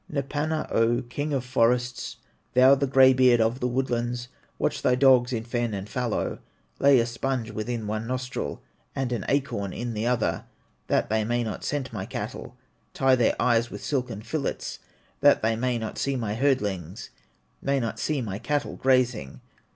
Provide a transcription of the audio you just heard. "Knippana, O King of forests, Thou the gray beard of the woodlands, Watch thy dogs in fen and fallow, Lay a sponge within one nostril, And an acorn in the other, That they may not scent my cattle; Tie their eyes with silken fillets, That they may not see my herdlings, May not see my cattle grazing.